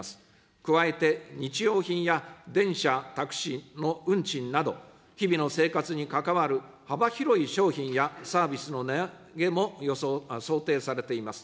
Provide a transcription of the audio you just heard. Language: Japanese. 加えて日用品や電車、タクシーの運賃など、日々の生活に関わる幅広い商品やサービスの値上げも想定されています。